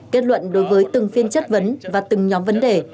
kết luận đối với từng phiên chất vấn và từng nhóm vấn đề